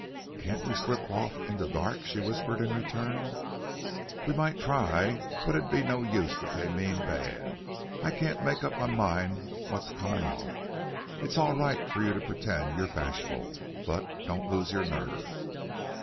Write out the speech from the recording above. "Can't we slip off in the dark?" she whispered in return. "We might try. But it'd be no use if they mean bad. I can't make up my mind yet what's comin' off. It's all right for you to pretend you're bashful. But don't lose your nerve."